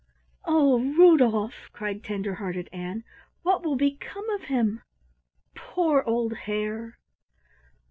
"Oh, Rudolf," cried tender hearted Ann, "what will become of him? Poor old Hare!"